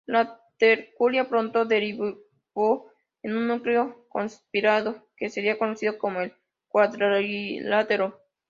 La tertulia pronto derivó en un núcleo conspirativo, que sería conocido como el "Cuadrilátero".